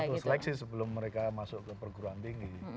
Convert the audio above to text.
untuk seleksi sebelum mereka masuk ke perguruan tinggi